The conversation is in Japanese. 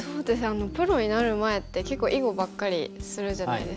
プロになる前って結構囲碁ばっかりするじゃないですか。